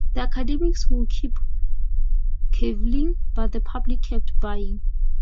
The academics would keep cavilling, but the public kept buying.